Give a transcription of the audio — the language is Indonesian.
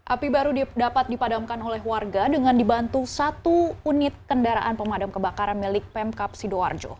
api baru dapat dipadamkan oleh warga dengan dibantu satu unit kendaraan pemadam kebakaran milik pemkap sidoarjo